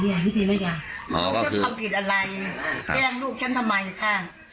ทำผิดอะไรแกล้งลูกฉันทำไมค่ะ